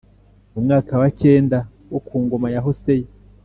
Mu mwaka wa cyenda wo ku ngoma ya Hoseya